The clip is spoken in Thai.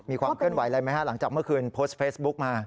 มีความเคลื่อนไหวอะไรไหมฮะหลังจากเมื่อคืนโพสต์เฟซบุ๊กมา